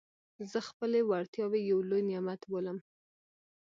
زه خپلي وړتیاوي یو لوی نعمت بولم.